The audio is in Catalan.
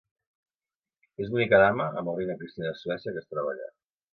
És l'única dama, amb la reina Cristina de Suècia, que es troba allà.